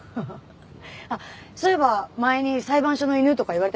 あっそういえば前に「裁判所の犬」とか言われて。